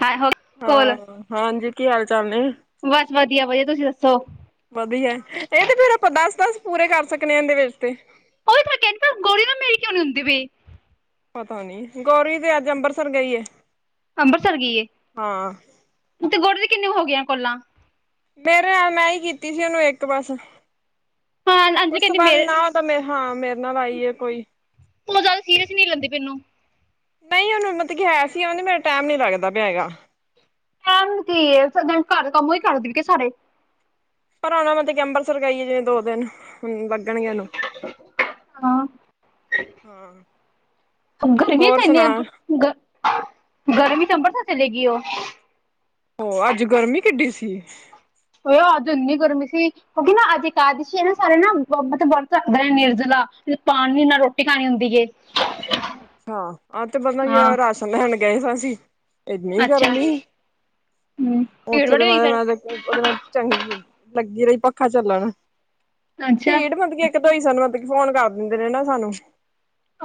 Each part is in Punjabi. ਹਾਂ ਹੋ ਕੋਲ ਹਾਂ, ਹਾਂਜੀ, ਕੀ ਹਾਲ ਚਾਲ ਨੇ? ਬਸ ਵਧੀਆ, ਵਧੀਆ, ਤੁਸੀਂ ਦੱਸੋ? ਵਧੀਆ। ਇਹ ਤੇ ਫੇਰ ਅੱਪਾ ਦੱਸ-ਦੱਸ ਪੂਰੇ ਕਰ ਸਕਨੇ ਆ, ਇਹਂਦੇ ਵਿੱਚ ਤੇ। ਉਹੀ ਤਾ ਕਹਿੰਦਾ, ਗੋਰੀ ਨਾ ਮੇਰੀ ਕਿਉਂ ਨਹੀਂ ਹੁੰਦੀ ਪਈ? ਪਤਾ ਨੀ, ਗੋਰੀ ਤੇ ਅੱਜ ਅੰਬਰਸਰ ਗਈ ਏ। ਅੰਬਰਸਰ ਗਈ ਏ। ਹਾਂ ਤੇ ਗੌਰੀ ਦੀ ਕਿੰਨੇ ਹੋ ਗਈ ਏ ਕੋਲਾਂ? ਮੇਰੇ ਨਾਲ, ਮੈਂ ਹੀ ਕੀਤੀ ਸੀ ਉਹਨੂੰ ਇੱਕ ਬਸ। ਹਾਂ ਅੰਜਲੀ ਉਸ ਤੋਂ ਕਹਿੰਦੀ ਬਾਅਦ ਮੇਰੇ ਨਾ, ਉਹ ਤਾਂ, ਮੈਂ ਹਾਂ, ਮੇਰੇ ਨਾਲ ਆਈ ਏ, ਕੋਈ। ਉਹ ਜ਼ਿਆਦਾ ਸੀਰੀਅਸ ਨੀ ਲੈਂਦੇ ਮੈਨੂੰ। ਨਹੀਂ, ਉਹਨੂੰ ਮਤਲਬ ਕੀ ਹੈ ਸੀ ਉਹਨੂੰ ਮੇਰਾ ਟਾਈਮ ਨਹੀਂ ਲੱਗਦਾ ਪਿਆ ਹੈਗਾ। ਟੈਮ ਕੀ ਏ? ਘਰ ਕੰਮ ਓਹੀ ਕਰਦੀ ਕੇ ਸਾਰੇ? ਪਰ ਆਣਾ ਪਤਾ ਕਿ ਅੰਬਰਸਰ ਗਈ ਏ। ਜਿਵੇਂ ਦੋ ਦਿਨ ਲੱਗਣਗੇ ਉਹਨੂੰ। ਹਾਂ ਹੂੰ। ਗਰਮੀ ਚ ਏਨੀ? ਗ ਗਰਮੀ ਚ ਅੰਬਰਸਰ ਚਲੇਗੀ ਉਹ? ਹੋ, ਅੱਜ ਗਰਮੀ ਕਿੱਡੀ ਸੀ। ਓ ਅੱਜ ਦੇ ਏਨੀ ਗਰਮੀ ਸੀ ਕਿਉਂਕਿ ਅਜ ਅਕਾਦਸ਼ੀ ਏ ਨਾ। ਸਾਰੇ ਨਾ ਮਤਬ ਵਰਤ ਰੱਖਦੇ ਨੇ, ਨਿਰਜਲਾ। ਪਾਣੀ ਨਾ, ਰੋਟੀ ਖਾਣੀ ਹੁੰਦੀ ਏ। ਅੱਛਾ, ਅੱਜ ਤੇ ਪਤਾ ਕੀ ਹਾਂ ਰਾਸ਼ਨ ਲੈਣ ਗਏ ਸਾ ਅਸੀ ਏਨੀ ਅੱਛਾ ਗਰਮੀ। ਹੂੰ ਭੀੜ ਉੱਥੇ ਬੜੀ ਤੇ ਹੋਈ ਮੈਂ, ਫਿਰ ਮੈਂ ਉਹਦੇ ਨਾਲ ਚੰਗੀ ਲੱਗੀ ਰਹੀ ਪੱਖਾ ਚੱਲਣ। ਅੱਛਾ ਭੀੜ ਵੱਧ ਦ ਹੀ ਸਾਨੂੰ, ਮਤਲਬ ਕੀ ਫੋਨ ਕਰ ਦਿੰਦੇ ਨੇ ਨਾ ਸਾਨੂੰ।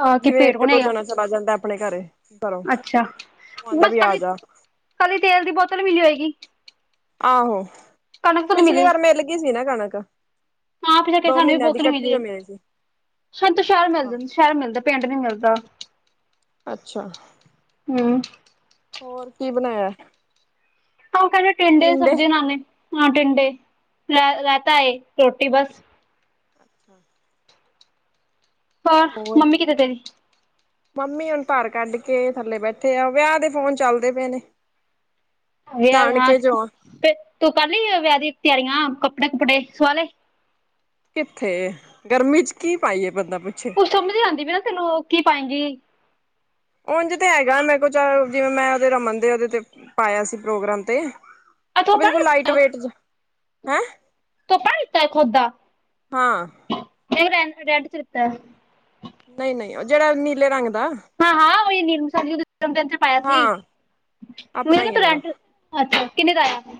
ਆਹ, ਕਿ ਪੀੜ੍ਹ ਇੱਕ-ਦੋ ਜਣਾ ਚਲਾ ਜਾਂਦਾ, ਆਪਣੇ ਘਰੇ ਘਰੋਂ ਉਹ ਅੱਛਾ। ਆਂਦਾ ਬਸ ਵੀ ਆ ਖਾਲੀ, ਜਾ। ਖਾਲੀ ਤੇਲ ਦੀ ਬੋਤਲ ਮਿਲੀ ਹੋਏਗੀ? ਆਹੋ। ਕਣਕ ਤੋਂ ਨੀ ਪਿਛਲੀ ਮਿਲੀ ਵਾਰ ਮਿਲ ਗਈ ਸੀ ਨਾ ਕਣਕ। ਹਾਂ [unintelligible] ਦੋ ਸਾਨੂੰ ਵੀ ਮਹੀਨਿਆਂ ਦੀ ਬੋਤਲ ਮਿਲੀ ਇਕੱਠੀ ਜੋ ਏ। ਸੀ। ਸ਼ਤ-ਸ਼ਹਿਰ ਮਿਲ ਹਾਂ ਜਾਂ ਸ਼ਹਿਰ ਮਿਲਦਾ, ਪਿੰਡ ਨੀ ਮਿਲਦਾ। ਅੱਛਾ। ਹੂੰ। ਹੋਰ ਕੀ ਬਣਾਇਆ? ਆ ਕਹਿੰਦੇ ਟਿੰਡੇ ਦੀ ਸਬਜ਼ੀ ਲਾਂਦੇ ਹਾਂ, ਟੀਂਡੇ, ਰਾਇਤਾ ਏ, ਰੋਟੀ ਬਸ। ਅੱਛਾ ਹ ਮੰਮੀ ਕਿਤੇੇ ਤੇ ਮੰਮੀ ਹੁਣ ਧਾਰ ਕੱਢ ਕੇ ਥੱਲੇ ਬੈਠੇ ਆ ਵਿਆਹ ਦੇ ਫੋਨ ਚੱਲਦੇ ਪਏ ਨੇ ਯਦ ਹਾਂ ਨਾਨਕੇ ਜੋ ਆ ਫ ਤੂੰ ਕਰੀ ਵਿਆਹ ਦੀ ਤਿਆਰੀਆਂ ਕੱਪੜੇ ਕੁੱਪੜੇ ਸਵਾਲੇ ਕਿੱਥੇ ਗਰਮੀ ਚ ਕੀ ਪਾਈਏ ਬੰਦਾ ਪੁੱਛੇ। ਤੂੰ ਸਮਝ ਆਉਂਦੀ ਪ ਨਾ ਤੈਨੂੰ ਕੀ ਪਾਏਗੀ ਉਝ ਤੇ ਹੈਗਾ ਮੈਂ ਕੋ ਚ ਜਿਵੇਂ ਮੈਂ ਦੇ ਰਮਨ ਦੇ ਦੇ ਤੇ ਪਾਇਆ ਸੀ ਪ੍ਰੋਗਰਾਮ ਤੇ ਆ ਉਹ ਧੋਪਾ ਨੀ ਬਿਲਕੁਲ ਲਾਈਟ ਵੇਟ ਜਾ ਹੈ ਧੁਪਾਤਾ ਖੁਦ ਦਾ ਹਾਂ ਰੈਂਡ ਚ ਦਿੱਤਾ ਨਹੀਂ ਨਹੀਂ ਉਹ ਜਿਹੜਾ ਨੀਲੇ ਰੰਗ ਦਾ ਨੀਮ ਸਾ ਜੀ ਜਨਮ ਦਿਨ ਚ ਪਾਇਆ ਸੀ ਹਾਂ ਆਪਣਾ ਉਹ ਹੀ ਹੈ ਮੇਰਾ ਰੈਂਟ ਅੱਛਾ ਕਿੰਨੇ ਦਾ ਆਇਆ [unintelligible]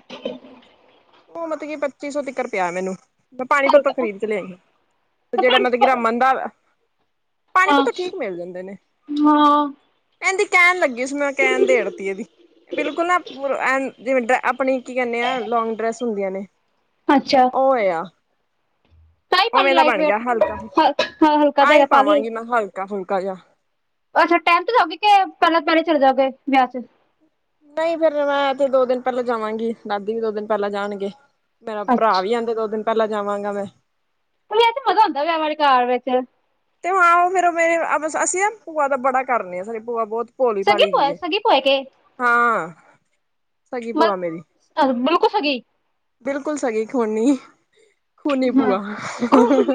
ਉਹ ਮਤਲਬ ਕਿ ਪੱਚੀ ਸੌ ਤਰ ਪਿਆ ਮੈਨੂੰ ਮੈਂ ਪਾਣੀ ਪੱਤੋ ਹਲਕਾ ਖਰੀਦ ਚ ਲਿਆਗੀ ਤੇ ਜਿਹੜਾ ਪੰਜ ਮਤਲਬ ਕਿ ਰਮਨ ਹਾਂ ਦਾ ਪਾਣੀ ਪੱਤੋ ਠੀਕ ਮਿਲ ਜਾਂਦੇ ਨੇ ਹਾਂ ਕਹਿੰਦੀ ਕਹਿਣ ਲੱਗੀ ਸੀ ਮੈਂ ਕਹਿਣ ਦੇੜਤੀ ਇਹਦੀ ਬਿਲਕੁਲ ਆਪਣੀ ਕੀ ਕਹਿੰਦੇ ਆ ਲੋਂਗ ਡਰੈਸ ਹਦੀ ਨੇ ਅੱਛਾ ਉਹ ਆ ਤਾਈ ਪਾ ਉਵੇਂ ਲਈ ਦਾ ਲਾਈਟ ਬਣ ਗਿਆ ਵੇਟ ਹਲਕਾ ਹਾਂ ਹਲਕਾ ਫੁਕਾ ਆ ਤਾਂ ਹੀ ਹੈਗਾ ਪਾ ਲਈ ਪਾਵਾਂਗੀ ਮੈਂ ਹਲਕਾ ਫੁਲਕਾ ਜਿਹਾ ਅੱਛਾ ਟਾਈਮ ਤੇ ਜਾਓਗੀ ਕਿ ਪਹਿਲਾਂ ਤੋਂ ਪਹਿਲੇ ਚਲੇ ਜਾਓਗੇ ਵਿਆਹ ਚ ਨਹੀਂ ਫਿਰ ਮੈਂ ਤੇ ਦੋ ਦਿਨ ਪਹਿਲਾਂ ਜਾਵਾਂਗੀ ਦਾਦੀ ਵੀ ਦੋ ਦਿਨ ਪਹਿਲਾਂ ਜਾਣਗੇ ਮੇਰਾ ਭਰਾ ਅੱਛਾ ਵੀ ਆਂਦੇ ਦੋ ਦਿਨ ਪਹਿਲਾਂ ਜਾਵਾਂਗਾ ਮੈਂ ਵੈਸੇ ਮਜਾ ਆਂਦਾ ਵਿਆਹ ਵਾਲੇ ਘਰ ਵਿੱਚ ਤੇ ਹਾਂ ਉਹ ਫੇਰੇ ਮੇਰੇ ਅਸੀਂ ਭੂਆ ਤਾਂ ਬੜਾ ਕਰਨੀੇ ਆ ਭੂਆ ਬਹੁਤ ਭੋਲੀ ਸਗੀ ਪਾਲੀ ਪੋਏ ਗਈਏ ਸਗੀ ਪੋਏ ਕੇ ਹਾਂ ਸਗੀ ਭੂਆ ਮੇਰੀ ਛ ਗਈ ਬਿਲਕੁਲ ਸਗੀ ਖਹੋਣੀ ਖੋਨੀ ਹਾਂ ਬੂਆ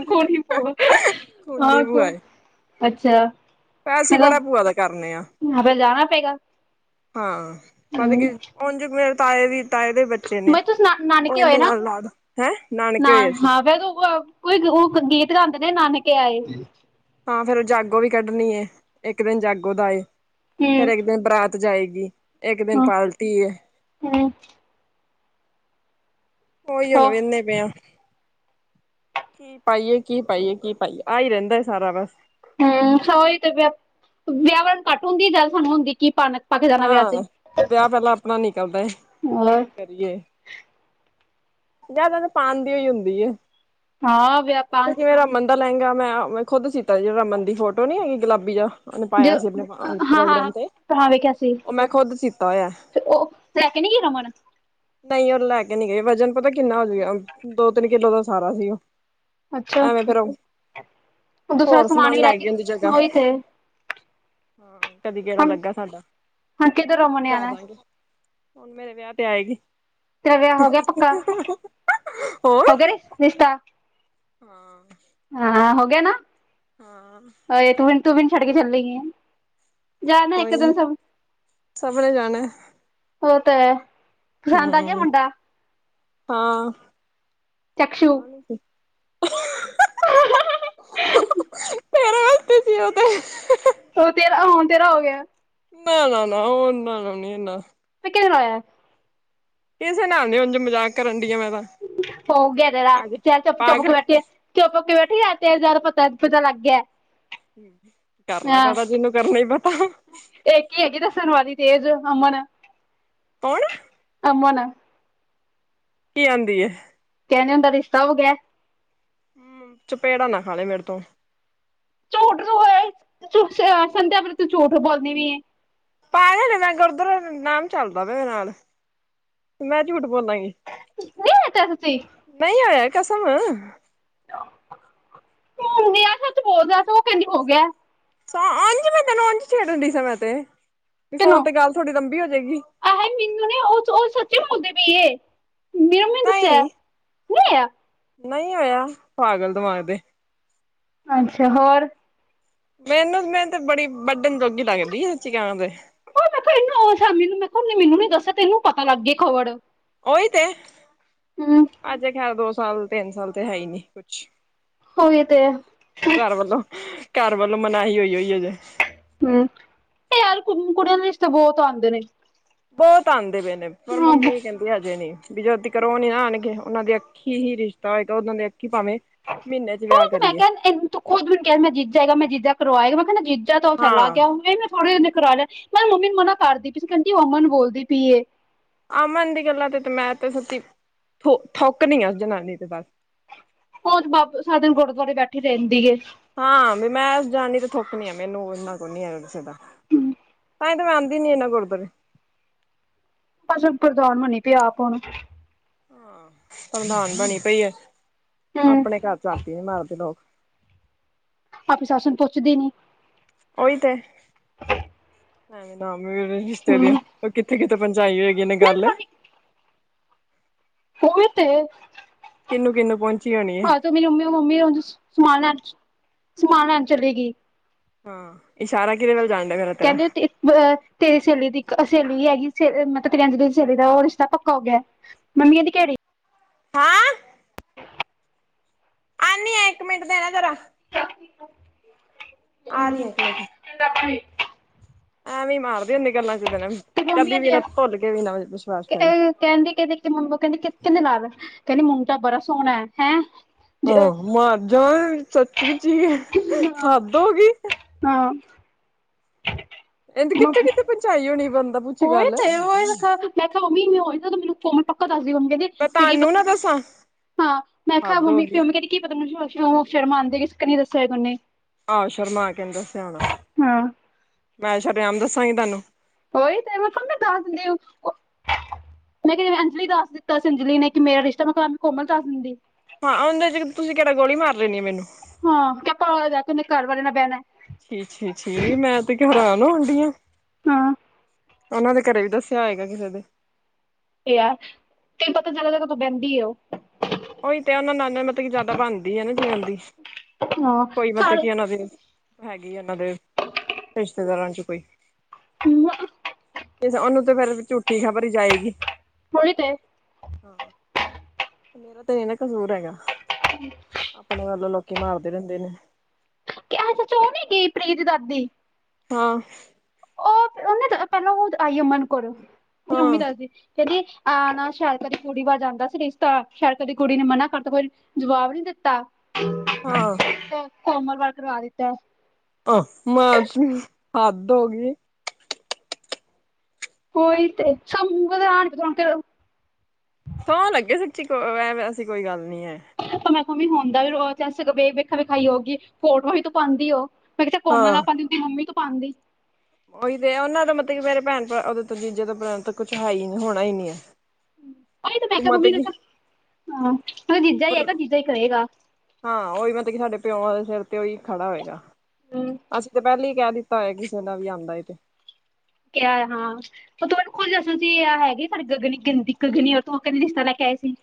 ਕੌਣ ਹੀ ਪੂਆ ਖੋਨੀ ਬੂਆ ਏ ਪੈਸੇ ਬੜਾ ਭੂਆ ਦਾ ਕਰਨੇ ਆ ਹਾਂ ਵੱਧ ਗਿਆ ਹੁਣ ਜੇ ਮੇਰੇ ਤਾਏ ਵੀ, ਤਾਏ ਦੇ ਬੱਚੇ ਨੇ ਮੈਂ ਤੁਸੀਂ ਨਾ ਉਹ ਨਾਨਕੇ ਹੋਏ ਇਹਨੇ ਨਾ ਨਾਲ ਲਾਦੋ ਹੈਂ ਨਾਨਕੇ ਨਾ ਹੋਏ ਸੀ। ਹਾਂ ਫੇਰ ਕੋਈ ਉਹ ਗੀਤ ਗਾਦੇ ਨੇ ਨਾਨਕੇ ਆਏ, ਹਾਂ ਫੇਰ ਉਹ ਜਾਗੋ ਵੀ ਕੱਢਣੀ ਇੱਕ ਦਿਨ ਜਾਗੋ ਦਾ ਏ ਫੇਰ ਹਮ ਇੱਕ ਦਿਨ ਬਰਾਤ, ਜਾਏਗੀ ਇੱਕ ਦਿਨ ਹਮ ਪਾਰਟੀ ਹੈ, ਹਮ ਉਹੀ ਹੁਣ ਹੋ ਵੇਨੇ ਪਏ ਆ। ਕੀ ਪਾਈਏ ਕੀ ਪਾਈਏ ਕੀ ਪਾਈਏ ਆ ਹੀ ਰਹਿੰਦਾ ਸਾਰਾ ਬਸ, ਹੂੰ ਔਹੀ ਤੇ ਵਿ ਵਿਆਹ ਵੱਲ ਘੱਟ ਹੁੰਦੀ ਐ ਜਾਦਾ ਸਾਨੂੰ ਹੁੰਦੀ ਕਿ ਪਾਨਾ? ਹਾਂ ਵਿਆਹ ਪਹਿਲਾਂ ਆਪਣਾ ਨਿਕਲਦਾ ਹੋਰ ਕੀ ਕਰੀਏ, ਜਿਆਦਾ ਤਾਂ ਪਾਣ ਦੀ ਈ ਹੁੰਦੀ ਐ। ਹਾਂ ਵਿ ਲਹਿੰਗਾ ਮੈਂ ਖੁਦ ਸੀ ਕੀਤਾ ਜਹੜਾ ਰਮਨ ਦੀ ਫੋਟੋ ਨੀ ਹੈਗੀ ਗੁਲਾਬੀ ਦਾ ਪਾਇਆ ਜੋ ਸੀ ਆਪਣੇ ਹਾਂ ਹਾਂ ਪ੍ਰੋਗਰਾਮ ਤੇ ਹਾਂ ਵੇਖਿਆ ਸੀ ਉਹ ਮੈਂ ਖੁਦ ਸਿਤਾ ਹੋਇਆ ਤੇ ਉਹ ਲੈ ਕੇ ਨੀ ਗਈ ਰਮਨ ਨਹੀਂ ਉਹਨ ਲੈ ਕੇ ਨਹੀਂ ਗਏ ਵਜਨ ਪਤਾ ਕਿੰਨਾ ਹੋਜੂਗਾ ਦੋ ਤਿੰਨ ਕਿਲੋ ਦਾ ਸਾਰਾ ਸੀ ਉਹ ਅੱਛਾ ਐਵੇਂ ਫੇਰ ਦੂਸਰਾ ਹੋਰ ਸਮਾਨ ਵੀ ਲੈ ਰਹਿ ਕੇ ਗਈ ਉਹਦੀ ਜਗ੍ਹਾ ਉਹੀ ਤੇ ਹਾਂ ਕਦੀ ਗੇੜਾ ਹੁਣ ਲੱਗਾ ਸਾਡਾ ਹੁਣ ਕਿੱਧਰ ਰਮਨ ਨੇ ਜਾ ਆਣਾ ਦਾਂਗੇ ਹੁਣ ਮੇਰੇ ਵਿਆਹ ਤੇ ਆਏਗੀ, ਤੇਰਾ ਵਿਆਹ ਹੋ ਗਿਆ ਪੱਕ ਹੋਰ ਹੋ ਗਿਆ ਰਿਸਤਾ ਹਾਂ- ਹਾਂ ਹੋ ਗਿਆ ਨਾ, ਹਾਂ, ਅ ਤੂੰ ਤੂੰ ਮੈਨੁੰ ਛੱਡ ਕੇ ਚਲੇ ਗੀ ਹੈ। ਜਾ ਨਾ ਇੱਕ ਕੋਈ ਦਿਨ ਨੀ ਸਭ ਸਭ ਨੇ ਜਾਣਾ, ਔ ਤਾਂ ਹੈ। ਪਸੰਦ ਆ ਗਿਆ ਹੂੰ ਮੁੰਡਾ ਹਾਂ ਚਕਸ਼ੂ ਹਾਂ ਨੀ [unintelligible] [unintelligible] ਉਹ ਤੇਰਾ ਹੁਣ ਤੇਰਾ ਹੋ ਗਿਆ। ਨਾ-ਨਾ-ਨਾ ਉਹਨਾ ਨ ਇਨਾ ਕਿਦਾ ਆ ਕਿਸੇ ਨਾਲ ਨੀ ਉਝ ਮਜ਼ਾਕ ਕਰਨ ਡੀ ਆ ਮੈਂ ਤਾਂ ਹੋ ਗਿਆ ਤੇਰਾ ਆਜੇ ਚੱਲ ਚੁਪ-ਚੁਪ ਪਾਗ ਕੇ ਬੈਠੇ ਚੁੱਪ ਕੇ ਬੈਠੇ ਕਿ ਹੋਇਆ ਤੇਰਾ ਪਤਾ ਲੱਗ ਗਿਆ। ਕਰਲਾ ਹਾਂ ਪਤਾ ਜਿਹਨੂੰ ਕਰਨਾ ਹੀ ਪਤਾ ਇੱਕ ਹੀ ਹੈਗੀ ਦੱਸਣ ਵਾਲੀ ਤੇਜ ਅਮਨ ਕੌਣ? ਅਮਨ ਕੀ ਆਂਦੀ ਐ, ਕਹਿਦੇ ਨੇ ਉੁਂਨਦਾ ਰਿਸ਼ਤਾ ਹੋ ਗਿਆ। ਹੂ ਚਪੇੜਾ ਨਾ ਖਾਲੇ ਮੇਰੇ ਤੋਂ ਝੂਠ ਕਿਉਂ ਬੋਲਿਆ ਆਪਣੇ ਤੂੰ ਝੂਠ ਬੋਲਦੀ ਵੀ ਹੈ। ਭਾਵੇਂ ਗੁਰਦੁਆਰੇ ਨਾਮ ਚੱਲਦਾ ਮੇਰੇ ਨਾਲ ਮੈਂ ਝੂਠ ਹੋਇਆ ਨਹੀ-ਨਹੀ ਨਹੀਂ ਤਾਂ ਸੱਚੀ ਹੋਇਆ ਨਹੀ ਹੋਇਆ ਕਸਮ [unintelligible] ਉਹ ਕਹਿੰਦੀ ਐ ਹੋਗਿਆ। ਸੋ ਅੰਜ ਮੈਂ ਤਾ ਉਜ ਛੇੜਦੀ ਸਾ ਮੈ ਤੇ ਨੀ ਫੋਨ ਕਿਨੂੰ ਤੇ ਗੱਲ ਥੋੜੀ ਲੰਬੀ ਹੋ ਜਾਏਗੀ। ਕਿਉਂ ਰੋਂਦੀ ਪਈ ਏ, ਮੇਰੀ ਮਂਮੀ ਨੇ ਦੱਸਿਆ ਨਹੀ, ਓਏ ਆ ਨਹੀ ਹੋਇਆ, ਪਾਗਲ ਦਿਮਾਗ ਦੇ ਅੱਛਾ ਹੋਰ? ਮੈਨੂੰ ਮੈਂ ਤੇ ਬੜੀ ਵਢਣ ਜੋਗੀ ਲੱਗਦੀ ਆ, ਸੱਚੀਂ ਕਹਾਂ ਤੇ ਉਹਨੇ ਮੈਨੂੰ ਨੀ ਦੱਸਿਆ, ਤੈਨੂੰ ਪਤਾ ਲੱਗ ਗਈ ਖਬਰ ਓਹੀ ਤੇ, ਅਜੇ ਖੈਰ ਦੋ ਸਾਲ ਤਿਨ ਸਾਲ ਤੇ ਹੈ ਹੀ ਨੀ ਕੁਛ ਉਹੀ ਤੇ ਹੈ। ਘਰ ਵੱਲੋਂ ਘਰ ਵਲੋ ਮਨਾਹੀ ਹੋਈ, ਹੋਈ ਅਜੇ ਹੂੰ, ਯਾਰ ਕੁੜੀਆਂ ਨੂੰ ਰਿਸ਼ਤੇ ਬਹੁਤ ਆਉਂਦੇ ਨੇ ਬਹੁਤ ਆਉਂਦੇ ਪਏ ਨੇ ਪਰ ਹਾਂ ਮੰਮੀ ਕਹਿੰਦੀ ਹਜੇ ਨਹੀ ਜਦ ਤਿਕਰ ਉਹ ਨੀ ਨਾ ਆਉਣਗੇ, ਉਹਨਾਂ ਦੀ ਅੱਖੀਂ ਹੀ ਰਿਸ਼ਤਾ ਹੋਏਗਾ। ਉਹਨਾਂ ਦੇ ਅੱਖੀਂ ਭਾਂਵੇ, ਮਹੀਨੇ ਚ ਉਹ ਵਿਆਹ ਤੇ ਮੈਂ ਕਰੀਏ ਕਿਹਾ ਤੂੰ ਖੁਦ ਮੈਨੂੰ ਕਹਿ ਮੈਂ ਜੀਜਾ ਹੈਗਾ ਮੈਂ ਜੀਜਾ ਕਰਵਾਏਗਾ, ਮੈਂ ਕਿਹਾ ਜੀਜਾ ਤੋ ਚਲਾ ਹਾਂ ਗਿਆ, ਉਨੇ ਤੇ ਸਾਰਿਆਂ ਦੇ ਕਰਾ ਲਿਆ ਮੈਂ ਕਿਹਾ ਮੰਮੀ ਨੂੰ ਮਨਾ ਕਰਦੀ ਪਈ ਸੀ ਕਹਿਦੀ ਅਮਨ ਬੋਲਦੀ ਪੀਏ ਅਮਨ ਦੀ ਗੱਲਾਂ ਤੇ ਮੈਂ ਤੇ ਸੱਚੀ ਥੋ ਥੁੱਕ ਦੀ ਆ ਜਨਾਨੀ ਤੇ ਬਸ ਉਹ ਬਾਬੇ ਸਾ ਦਿਨ ਗੁਰਦੁਆਰੇ ਬੈਠੀ ਰਹਿੰਦੀ ਏ ਹਾਂ ਵੀ ਮੈਂ ਜਾਣੀ ਤੇ ਥੁੱਕ ਨੀ ਆ ਮੈਨੂੰ ਇਨਾ ਕੁ ਨੀ ਹੈ ਕਿਸੇ ਦਾ ਤਾਂਹੀ ਤੇ ਮੈਂ ਆਂਦੀ ਨੀ ਇਨਾ ਗੁਰਦੁਆਰੇ, ਪ੍ਰਧਾਨ ਬਣੀ ਪਈ ਆਪ ਪਿਆ ਆਪ ਹੁਣ ਪ੍ਰਧਾਨ ਬਣੀ ਪਈ ਹੈ, ਹੂੰ ਆਪਣੇ ਘਰ ਚ ਝਾਤੀ ਨੀ ਮਾਰਦੇ ਲੋਕ ਆਪਣੀ ਸੱਸ ਨੂੰ ਤੇ ਪੁੱਛਦੀ ਨਹੀ ਐਵੇ ਨੀ ਰਿਸ਼ਤੇ ਹੂੰ ਦੀਆਂ ਉਹ ਕਿਥੇ-ਕਿਥੇ ਜਾਈ ਹੋਗੀ ਨੇ ਮੈਂ ਗੱਲ ਖਾਣੀ ਉਹੀ ਤੇ, ਕਿਹਨੂੰ-ਕਿਹਨੂੰ ਪਹੁੰਚੀ ਹੋਣੀ ਐ। ਹਾਂ ਤੇ ਮੇਰੀ ਮੰਮੀ, ਮੰਮੀ ਸਮਾਨ ਲੈ ਸਮਾਨ ਲੈਣ ਚੱਲੇਗੀ। ਹਾਂ, ਇਸ਼ਾਰਾ ਕਿਰੇ ਨਾਲ ਕਹਿੰਦੇ, ਅਹ ਤੇਰੀ ਸਹੇਲੀ ਦੀ ਸਹੇਲੀ ਹੈਗੀ, ਮਤਲਬ ਤਿਰੰਜਲੀ ਦੀ ਸਹੇਲੀ ਦਾ, ਉਹ ਰਿਸ਼ਤਾ ਪੱਕਾ ਹੋ ਗਿਆ, ਮੰਮੀ ਕਹਿੰਦੇ ਕਿਹੜੀ। ਹਾਂ । ਆਉਂਦੀ ਹਾਂ, ਇੱਕ ਮਿੰਟ ਦੇਣਾ ਜਰਾ, ਆ ਰਹੀ ਆ ਇੱਕ ਮਿੰਟ। ਕਿਹੜੀ ਐਵੇਂ ਮਾਰਦੀ ਹੁੰਦੀ, ਗੱਲਾਂ ਚ ਗੱਲ ਤੇ ਮੰਮੀਆਂ ਦੀਆਂ ਕਰੀ। ਕਹਿੰਦੀ, ਕਿਹਦੇ ਮੰਮ ਕਹਿੰਦੇ ਨਾ ਰੱਖੀ। ਕਹਿੰਦੀ, ਮੁੰਡਾ ਬੜਾ ਸੋਹਣਾ, ਹੈਂ। ਹਾਂ, ਮਰ ਜਾ ਸੱਚੀ ਸੀ ਹੱਦ ਹੋ ਗਈ। ਹਾਂ ਕਹਿੰਦੀ ਕਿੱਥੇ- ਕਿਥੇ ਪਹੁੰਚਾਈ ਹੋਣੀ, ਬੰਦਾ [unintelligible] ਪੁੱਛ ਗੱਲ ਦੱਸਦੀ ਮੰਮੀ ਕਹਿੰਦੇ ਮੈਂ ਕੀ ਤੁਹਾਨੂੰ ਪਤਾ ਨਾ ਦੱਸਾਂ ਹਾਂ, ਮੈਂ ਕਿਹਾ ਹੱਦ ਹੋ ਮੰਮੀ- ਗਈ। ਮੰਮੀ ਕਹਿੰਦੀ ਕੀ ਪਤਾ ਕਿਉ ਸ਼ਰਮਾਂਦੇ ਕਿ ਨਹੀਂ ਦੱਸਿਆ ਉਹਨੇ ਆਹੋ ਸ਼ਰਮਾ ਕੇ ਨਹੀਂ ਦੱਸਿਆ ਹੋਣਾ, ਹਾਂ ਮੈਂ ਸ਼ਰੇਆਮ ਦੱਸਾਂਗੀ ਤੁਹਾਨੂੰ। ਉਹੀ ਤੇ ਮੈਂ ਕਿਹਾ, ਮੰਮੀ ਦੱਸ ਦਿਓ ਮੈਂ ਕਿਹਾ ਜਿਵੇਂ ਅੰਜਲੀ ਦੱਸ ਦਿੱਤਾ ਸੀ, ਅੰਜਲੀ ਨੇ ਕਿ ਮੇਰਾ ਰਿਸ਼ਤਾ, ਮੈਂ ਕਿਹਾ ਕਿ ਕੋਮਲ ਦੱਸ ਦਿੰਦੀ। ਹਾਂ, ਉਹਦੇ ਚ ਤੁਸੀਂ ਕਿਹੜਾ ਗੋਲੀ ਮਾਰ ਲੈਣੀ ਆ ਮੈਨੂੰ ਹਾਂ, ਕਿ ਘਰ ਵਾਲੇ ਨਾਲ ਬਹਿਣਾ। ਸ਼ੀ- ਸ਼ੀ, ਮੈਂ ਤੇ ਹੈਰਾਨ ਹੋ ਡਹੀ ਆ। ਹਾਂ ਉਹਨਾਂ, ਦੇ ਘਰੇ ਵੀ ਦੱਸਿਆ ਹੋਏਗਾ ਕਿਸੇ ਦੇ। ਤੇ ਆ ਤੇ, ਪਤਾ ਚੱਲਦਾ ਜਦੋਂ ਬਹਿੰਦੀ ਆ ਉਹ। ਉਹੀ ਤੇ ਉਹਨਾਂ ਨਾਲ ਮਤਲਬ ਕੀ ਜ਼ਿਆਦਾ ਬਣਦੀ ਏ ਨਾ, ਜੀਵਨ ਦੀ, ਹਾਂ ਕੋਈ ਮਤਲਬ ਸਾਰੇ ਕੀ ਉਹਨਾਂ ਦੀ ਹੈਗੀ, ਇਹਨਾਂ ਦੇ ਰਿਸ਼ਤੇਦਾਰਾਂ ਚ ਕੋਈ ਹੁਣੇ ਉਹਨੂੰ, ਤੇ ਫੇਰ ਝੂਠੀ ਖ਼ਬਰ ਜਾਏਗੀ। ਉਹੀ ਤੇ। ਮੇਰਾ ਤੇ ਨੀ ਨਾ ਕਸੂਰ ਹੈਗਾ, ਆਪਣੇ ਵੱਲੋਂ ਲੋਕੀ ਮਾਰਦੇ ਰਹਿੰਦੇ ਨੇ। ਕਿਆ, ਉਹ ਸੱਚ ਉਹ ਨੀ ਹੈਗੀ ਪ੍ਰੀਤ ਦਾਦੀ। ਹਾਂ। ਉਹ ਉਹਨੇ ਪਹਿਲਾਂ ਉਹ ਆਈ ਅਮਨ ਕੋਲ, ਮੇਰੀ ਮੰਮੀ ਹਾਂ, ਦੱਸਦੀ ਸੀ। ਕਹਿੰਦੀ ਆ ਨਾ ਸ਼ਾਂਤਾ ਦੀ ਕੁੜੀ ਵੱਲ ਜਾਂਦਾ ਸੀ ਰਿਸ਼ਤਾ, ਸ਼ਾਂਤਾ ਦੀ ਕੁੜੀ ਨੇ ਮਨਾ ਕਰਤਾ ਕੋਈ ਜਵਾਬ ਨੀ ਦਿੱਤਾ। ਹਾਂ। ਤੇ ਕੋਮਲ ਵਲ ਕਰਵਾ ਦਿੱਤਾ। ਆਹ। ਮੈਂਸ ਹੱਦ ਹੋ ਗਈ। ਓਈ ਤੇ [inaudible] ਸੋਂਹ ਲੱਗੇ, ਸੱਚੀ ਕੋ ਵੈਸੀ ਕੋਈ ਗੱਲ ਨਹੀਂ ਐ। ਮੈਂ ਕਿਹਾ ਵੀ ਹੁੰਦਾ'ਚੇ ਵੇਖਾ-ਵਿਖਾਈ ਹੋਗੀ, ਫੋਟੋਆਂ ਵੀ ਤੋ ਪਾਂਦੀ ਓ। ''ਮੈਂ ਕਿਹਾ ਚਲ ਕੋਮਲ ਹਾਂ। ਆਪਾਂ ਦੀ, ਉਹਦੀ ਮੰਮੀ ਤੋ ਪਾਂਦੀ। ਉਹੀ ਤੇ, ਉਹਨਾਂ ਦਾ ਮਤਲਬ ਮੇਰੇ ਭੈਣ- ਭਰਾ ਉਹ ਤੋਂ ਜੀਜੇ ਤਾਂ ਕੁਛ ਹੈ ਹੀ ਨਹੀਂ ਹੋਣਾ, ਹੀ ਨੀ ਹੈ ਉਹੀ ਤ ਮੈਂ ਕਿਹਾ ਮਾ ਤੇ ਮੰਮੀ ਨੇ ਕੀ ਕਿਹਾ ਹਾਂ, ਹੁਣ ਜੀਜਾ ਹੀ ਆਏਗਾ, ਜੀਜਾ ਹੀ ਕਰੇਗਾ। ਹਾਂ ਉਹੀ ਮਤਲਬ ਕਿ ਸਾਡੇ ਪਿਓ ਦੇ ਸਿਰ ਤੇ ਉਹੀ ਖੜਾ ਹੋਏਗਾ, ਅਸੀਂ ਤੇ ਪਹਿਲਾਂ ਹੀ ਕਹਿ ਦਿੱਤਾ ਭਾਵੇਂ ਕਿਸੇ ਨਾਲ ਵੀ ਆਉਂਦਾ ਏ ਤੇ ਕਿਹਾ ਹਾਂ, ਉਹ ਤਾਂ ਮੈਂਨੂੰ ਖੁਦ ਦੱਸਦੀ ਸੀਂ ਹੈਗੀ ਸਾਡੀ ਗਗਨੀ, ਗੰਦੀ ਗਗਨੀ ਤੂੰ ਕਹਿੰਦੀ ਜਿਸ ਰਿਸ਼ਤਾ ਲੈਕੇ ਆਈ ਸੀ।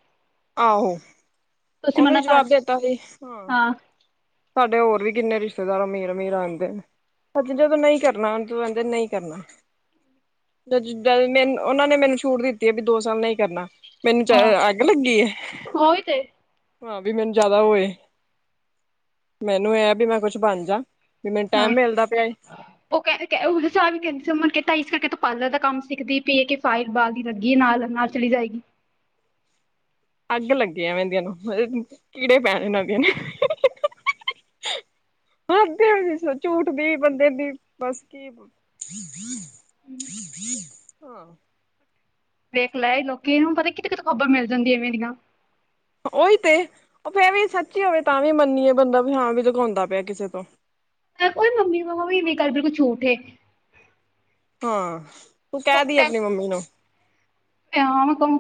ਆਹੋ, ਤੁਸੀਂ ਉਹਨੂੰ ਵੀ ਮਨਾ ਕਰ ਜਵਾਬ ਦੇ ਤਾ ਸੀ। ਹਾਂ ਸਾਡੇ ਹੋਰ ਵੀ ਕਿੰਨੇ ਰਿਸ਼ਤੇਦਾਰ ਅਮੀਰ -ਅਮੀਰ ਆਉਂਦੇ ਨੇ। ਜਦੋਂ ਨਹੀਂ ਕਰਨਾ, ਉਹ ਤੂੰ ਕਹਿਂਦੇ ਨਹੀਂ ਕਰਨਾ। ਜਦ ਮਨ ਉਹਨਾਂ ਨੇ ਮੈਨੂੰ ਛੂਟ ਦਿੱਤੀ ਹੈ ਵੀ, ਦੋ ਸਾਲ ਨਹੀਂ ਕਰਨਾ। ਮੈਨੂੰ'ਚ ਹਾਂ ਅੱਗ ਲੱਗੀ ਏ, ਉਹੀ ਤੇ ਹਾਂ। ਵੀ ਮੈਨੂੰ ਜਿਆਦਾ ਹੋਏ। ਮੈਨੂੰ ਇਹ ਵੀ ''ਮੈਂ ਕੁਛ ਬਣ ਜਾ। ਵੀ ਮੈਨੂੰ ਹਾਂ। ਟਾਈਮ ਮਿਲਦਾ ਪਿਆ ਉਹ ਕਹਿੰ ਸਾਨ ਵੀ ਕਹਿੰਦੇ ਸੀ ਮੁਨ ਕੇ ਢਾਈ ਘ ਪਾਰਲਰ ਦਾ ਕੰਮ ਸਿੱਖਦੀ ਪਈ ਹੈ ਕਿ, ਫਾਈਲ ਬਾਲ ਦੀ ਲੱਗੀ ਨਾਲ-ਨਾਲ ਚਲੀ ਜਾਏਗੀ। [unintelligible] ਅੱਗ ਲੱਗੀ ਐਵੇਦੀਆਂ ਨੂੰ, ਮਤਲਬ ਕੀੜੇ ਪੈਣ ਏਨਾਂ ਦੀਆਂ ਨ ਠੀ [unintelligible] ਹੱਧ ਹੋਗੀ ਝੂਠ ਦੀ, ਬੰਦੇ ਦੀ ਬਸ ਕੀ। ਹਾਂ। ਵੇਖ ਲੈਏ ਲੋਕੀ ਨੂੰ, ਪਤਾ ਕਿਤੋ- ਕਿਤੋ ਖ਼ਬਰ ਮਿਲ ਜਾਂਦੀ ਐਵੇਂ ਦੀਆਂ। ਓਹੀ ਤੇ, ਉਹ ਫੇਰ ਵੀ ਸੱਚੀ ਹੋਵੇ ਤਾਂ ਵੀ, ਮੰਨੀਏ ਬੰਦਾ ਵੀ, ਹਾਂ, ਵੀ ਲਕਾਉਂਦਾ ਪਿਆ ਕਿਸੇ ਤੋਂ। ਕੋਈ ਮੰਮੀ, ਮੰਮਾ ਵੀ ਗੱਲ ਬਿਲਕੁਲ ਝੂਠ ਹੇ। ਹਾਂ। ਤੂੰ ਕਹਿ ਦੀ ਆਪਣੀ ਮੰਮੀ ਨੂੰ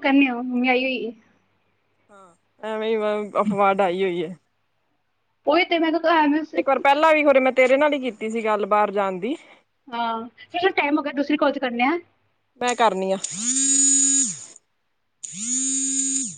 ਕਰਨੇ ਆ, ਮੰਮੀ ਆਈ ਹੋਈਏ। ਹਾਂ। ਐਵੇਂ ਹੀ ਬਸ, ਅਫਵਾਹ ਉਡਾਈ ਆਈ ਹੋਈ ਏ। ਓਹੀ ਤੇ ''ਮੈਂ ਤ ਇੱਕ ਵਾਰ ਪਹਿਲਾਂ ਵੀ ਹੋਰੇ ''ਮੈਂ ਤੇਰੇ ਨਾਲ ਹੀ ਕੀਤੀ ਸੀ, ਗੱਲ ਬਾਹਰ ਜਾਣ ਦੀ। ਹਾਂ। ਚਲੋ, ਟਾਈਮ ਹੋਗਿਆ ਦੂਸਰੀ ਕੌਲ'ਚ ਕਰਨੇ ਆ। ਮੈਂ ਕਾਰਨੀ ਆ।